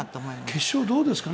決勝どうですかね。